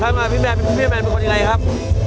ถ้ามาพี่แมนเป็นตัวแข็งไงครับ